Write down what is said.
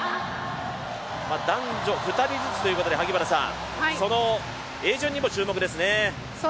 男女２人ずつということで、泳順にも注目ですね。